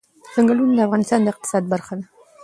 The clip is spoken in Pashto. ځنګلونه د افغانستان د اقتصاد برخه ده.